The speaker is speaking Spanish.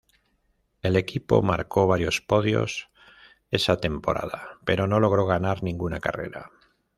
El equipo marcó varios podios esa temporada, pero no logró ganar ninguna carrera.